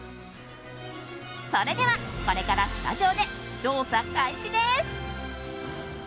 それではこれからスタジオで調査開始です。